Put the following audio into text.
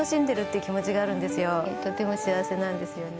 とても幸せなんですよね。